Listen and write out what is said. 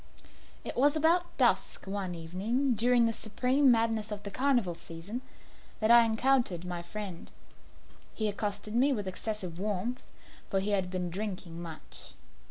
It was about dusk, one evening during the supreme madness of the carnival season, that I encountered my friend. He accosted me with excessive warmth, for he had been drinking much.